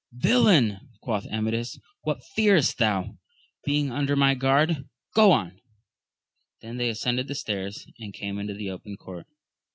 Villain ! quoth Amadis, what fearest thou, being under my guard 1 Go on ! Then they ascended the stairs, and came into the open court.